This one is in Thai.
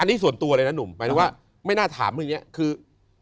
อันนี้ส่วนตัวเลยนะหนุ่มหมายถึงว่าไม่น่าถามเรื่องนี้คือ